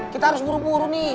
kita harus buru buru nih